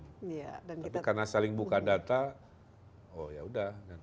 tapi karena saling buka data oh ya udah